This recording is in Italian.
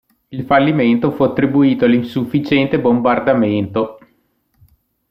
Il fallimento fu attribuito all'insufficiente bombardamento.